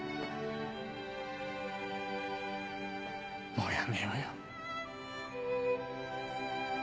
もうやめようよ。